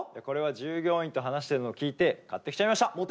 これは従業員と話してるのを聞いて買ってきちゃいました。